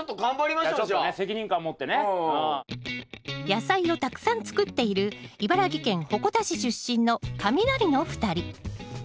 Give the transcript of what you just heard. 野菜をたくさん作っている茨城県鉾田市出身のカミナリの２人。